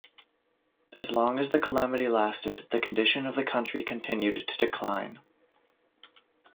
As long as the calamity lasted, the condition of the country continued to decline.